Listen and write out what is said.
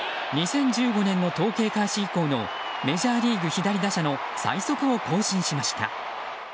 ２０１５年の統計開始以降のメジャーリーグ、左打者の最速を更新しました。